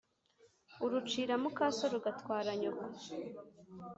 Urucira muka So rugahitana Nyoko.